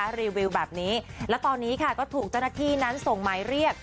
รีวิวแบบนี้และตอนนี้ค่ะก็ถูกเจ้าหน้าที่นั้นส่งหมายเรียก